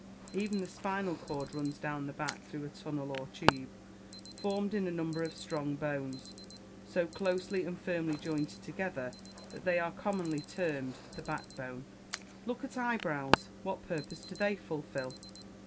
Even the spinal cord runs down the back through a tunnel or tube, formed in a number of strong bones, so closely and firmly jointed together, that they are commonly termed "the back bone." Look at the eyebrows. What purpose do they fulfil?